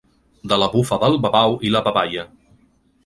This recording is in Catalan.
De la bufa del babau i la babaia.